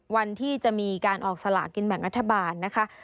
วันที่จะมีการออกสลากินแบ่งรัฐบาลนะคะ